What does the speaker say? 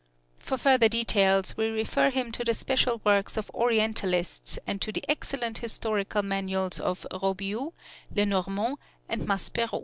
For further details we refer him to the special works of Orientalists and to the excellent historical manuals of Robiou, Lenormant, and Maspero.